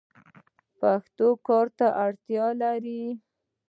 پښتو کار ته اړتیا لري.